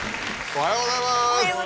おはようございます。